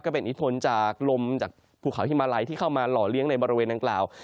เป็นอิทธิพลจากลมจากภูเขาฮิมาลัยที่เข้ามาหล่อเลี้ยงในบริเวณดังกล่าว